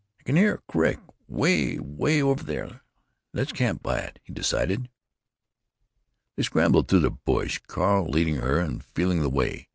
"I can hear a crick, 'way, 'way over there. Le's camp by it," he decided. They scrambled through the brush, Carl leading her and feeling the way.